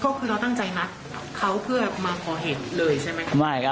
ก็คือเราตั้งใจนัดเขาเพื่อมาขอเห็นเลยใช่ไหมครับ